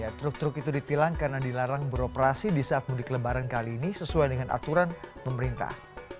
ya truk truk itu ditilang karena dilarang beroperasi di saat mudik lebaran kali ini sesuai dengan aturan pemerintah